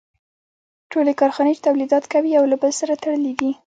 ټولې کارخانې چې تولیدات کوي یو له بل سره تړلي دي